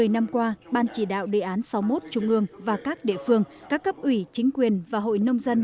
một mươi năm qua ban chỉ đạo đề án sáu mươi một trung ương và các địa phương các cấp ủy chính quyền và hội nông dân